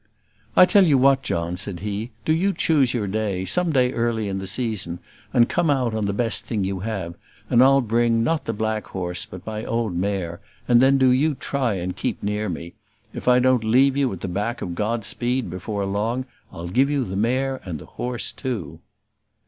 "I tell you what, John," said he, "do you choose your day, some day early in the season, and come out on the best thing you have, and I'll bring, not the black horse, but my old mare; and then do you try and keep near me. If I don't leave you at the back of Godspeed before long, I'll give you the mare and the horse too."